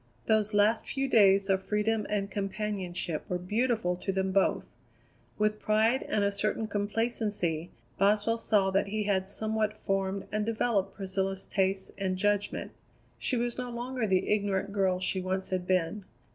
Those last few days of freedom and companionship were beautiful to them both. With pride and a certain complacency, Boswell saw that he had somewhat formed and developed Priscilla's tastes and judgment. She was no longer the ignorant girl she once had been.